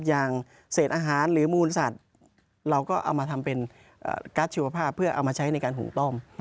อย่างเศษอาหารหรือมูลสัตว์เราก็เอามาทำเป็นการ์ดชีวภาพเพื่อเอามาใช้ในการหุงต้ม